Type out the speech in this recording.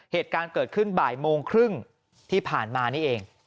เหตุการณ์เกิดขึ้นบ่ายโมงครึ่งที่ผ่านมานี่เอง